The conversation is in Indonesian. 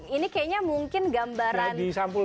ini kayaknya mungkin gambaran kayak di sampul